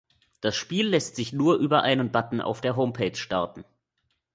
Das Spiel lässt sich nur über einen Button auf der Homepage starten.